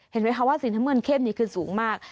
เห็นไหมคะว่าสีน้ำเงินเข้มนี้คือสูงมาก